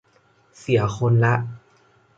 เสียคนละ